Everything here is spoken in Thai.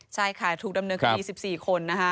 ใช่ค่ะถูกดำเนินคดี๑๔คนนะคะ